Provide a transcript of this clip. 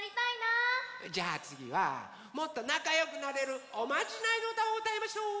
じゃあつぎはもっとなかよくなれるおまじないのうたをうたいましょう！